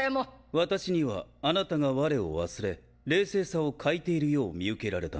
私には貴方が我を忘れ冷静さを欠いているよう見受けられたのですが？